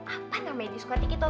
apaan yang di diskotik itu